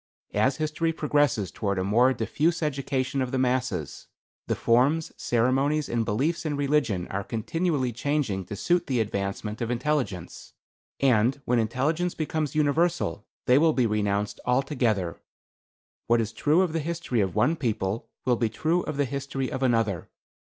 As history progresses toward a more diffuse education of the masses, the forms, ceremonies and beliefs in religion are continually changing to suit the advancement of intelligence; and when intelligence becomes universal, they will be renounced altogether. What is true of the history of one people will be true of the history of another.